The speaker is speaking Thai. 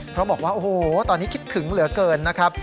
เพราะบอกว่าโอ้โหตอนนี้คิดถึงเหลือเกินนะครับ